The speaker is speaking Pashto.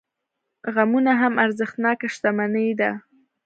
غمونه هم ارزښتناکه شتمني ده.